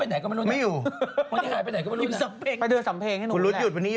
ไปไหนก็ไม่รู้นะคุณรุดหยุดวันนี้หยุดนะฮะไปด้วยสำเพงให้หนูแหละ